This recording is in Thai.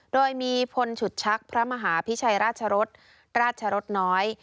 โดยมีพลฉุดชักพระมหาพิชัยราชรสราชรสน้อย